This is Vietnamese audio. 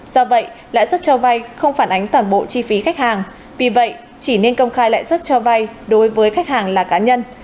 do vậy lãi suất cho vay không phản ánh toàn bộ chi phí khách hàng vì vậy chỉ nên công khai lãi suất cho vay đối với khách hàng là cá nhân